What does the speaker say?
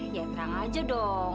ya terang aja dong